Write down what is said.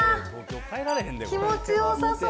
気持ちよさそう。